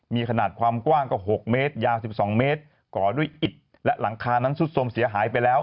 มีขนาดความกว้างก็๖เมตรยาว๑๒เมตรก่อด้วยอิดและหลังคานั้นซุดสมเสียหายไปแล้ว